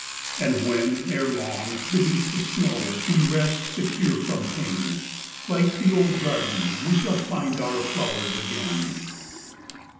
And when, erelong, beneath the snow We rest, secure from pain, Like the old garden we shall find Our flowers again.